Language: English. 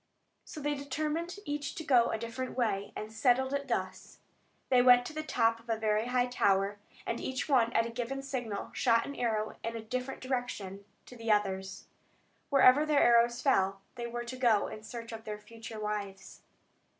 So they determined each to go a different way, and settled it thus. They went to the top of a very high tower, and each one at a given signal shot an arrow in a different direction to the others. Wherever their arrows fell they were to go in search of their future wives.